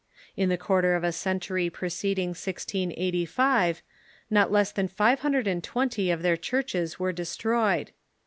In the quarter of a century preceding 1685, not less than five hundred and twenty of their churches were destroyed.